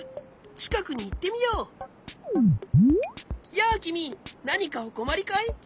やあきみなにかおこまりかい？